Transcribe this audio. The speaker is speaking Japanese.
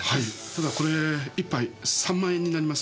ただこれ１杯３万円になりますけど。